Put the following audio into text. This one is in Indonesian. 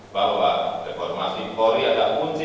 bahwa reformasi polri adalah kunci